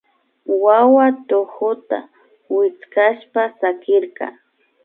Wawa tukuta wichkashpa sakirka